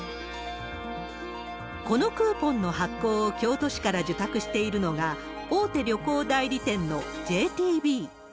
このクーポンの発行を京都市から受託しているのが、大手旅行代理店のＪＴＢ。